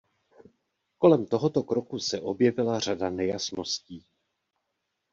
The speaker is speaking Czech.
Kolem tohoto kroku se objevila řada nejasností.